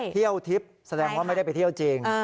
เที่ยวทิพย์แสดงว่าไม่ได้ไปเที่ยวจริง